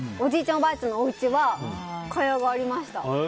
おばあちゃんのおうちは蚊帳がありました。